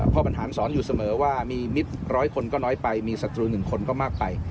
บรรหารสอนอยู่เสมอว่ามีมิตรร้อยคนก็น้อยไปมีศัตรู๑คนก็มากไป